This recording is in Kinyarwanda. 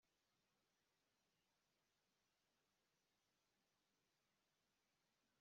Igitabo cya mbere Mfuranzima Fred yanditse yacyise 'Rwanda